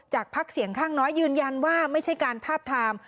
พักเสียงข้างน้อยยืนยันว่าไม่ใช่การทาบทาม